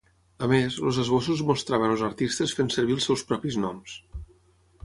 A més, els esbossos mostraven els artistes fent servir els seus propis noms.